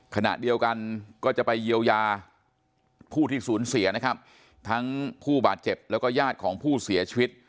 ขณะเดียวกันก็จะไปเยียวยาผู้ที่สูญเสียนะครับทั้งผู้บาดเจ็บแล้วก็ญาติของผู้เสียชีวิต